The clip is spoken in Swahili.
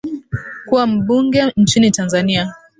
kuwa mbunge nchini tanzania